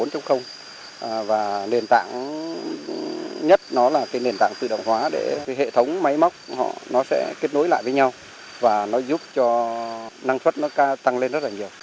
điều nhất là nền tảng tự động hóa để hệ thống máy móc sẽ kết nối lại với nhau và giúp cho năng suất tăng lên rất nhiều